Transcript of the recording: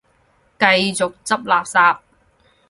繼續執垃圾